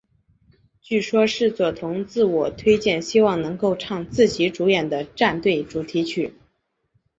据说是佐藤自我推荐希望能够唱自己主演的战队主题曲。